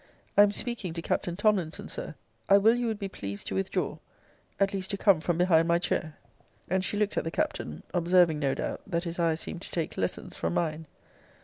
I am speaking to Captain Tomlinson, Sir. I will you would be pleased to withdraw at least to come from behind my chair. And she looked at the Captain, observing, no doubt, that his eyes seemed to take lessons from mine.